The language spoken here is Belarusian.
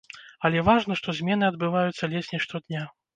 Але важна, што змены адбываюцца ледзь не штодня.